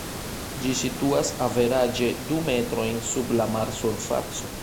Ĝi situas averaĝe du metrojn sub la mar-surfaco.